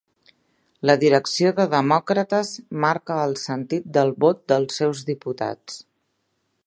La direcció de Demòcrates marca el sentit del vot dels seus diputats